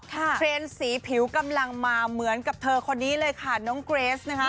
เทรนด์สีผิวกำลังมาเหมือนกับเธอคนนี้เลยค่ะน้องเกรสนะคะ